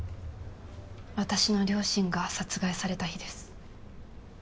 私の両親が殺害された日です。